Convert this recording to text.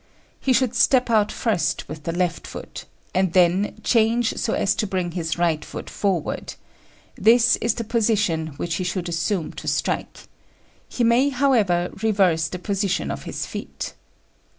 He should step out first with the left foot, and then change so as to bring his right foot forward: this is the position which he should assume to strike; he may, however, reverse the position of his feet.